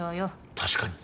確かに。